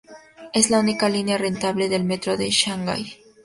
Es la única línea rentable del Metro de Shanghái.